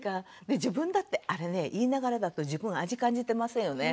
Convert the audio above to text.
で自分だってあれね言いながらだと自分味感じてませんよね。